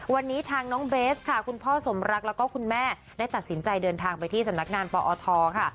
วันนี้ทางน้องเบสค่ะคุณพ่อสมรักแล้วก็คุณแม่ได้ตัดสินใจเดินทางไปที่สำนักงานปอทค่ะ